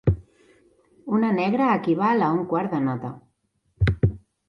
Una negra equival a un quart de nota